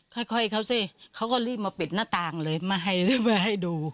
ค่อยเขาสิเขาก็รีบมาปิดหน้าต่างเลยมาให้รีบมาให้ดู